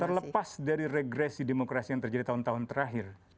terlepas dari regresi demokrasi yang terjadi tahun tahun terakhir